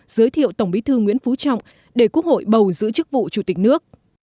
giới thiệu tổng bí thư nguyễn phú trọng để quốc hội bầu giữ chức vụ chủ tịch nước